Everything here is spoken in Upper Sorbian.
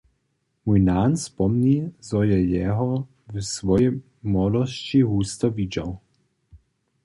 Mój nan spomni, zo je jeho w swojej młodosći husto widźał.